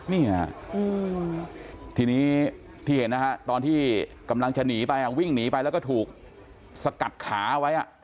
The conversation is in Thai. นี่ฮะทีนี้ที่เห็นนะฮะตอนที่กำลังจะหนีไปวิ่งหนีไปแล้วก็ถูกสกัดขาไว้